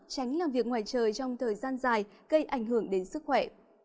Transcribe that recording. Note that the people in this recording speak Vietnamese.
tránh làm việc ngoài trời trong thời gian dài gây ảnh hưởng đến sức khỏe